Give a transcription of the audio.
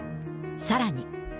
さらに。